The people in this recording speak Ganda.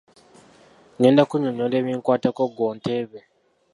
Ngenda kukunnyonnyola ebinkwatako ggwe onteebe.